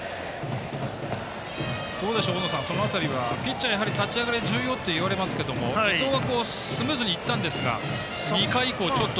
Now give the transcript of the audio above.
大野さん、その辺りはピッチャー立ち上がりが重要といわれますけど伊藤はスムーズにいったんですが２回以降、ちょっと。